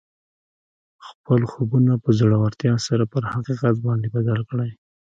خپل خوبونه په زړورتیا سره پر حقیقت باندې بدل کړئ